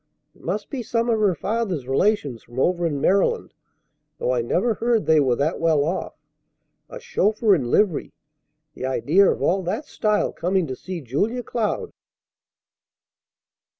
It must be some of her father's relations from over in Maryland, though I never heard they were that well off. A chauffeur in livery! The idea of all that style coming to see Julia Cloud!"